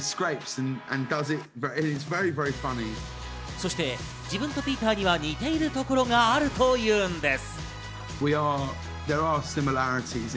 そして自分とピーターには似ているところがあるというんです。